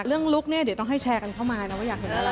ลุคเนี่ยเดี๋ยวต้องให้แชร์กันเข้ามานะว่าอยากเห็นอะไร